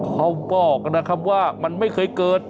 เขาบอกนะครับว่ามันไม่เคยเกิด